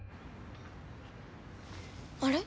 あれ？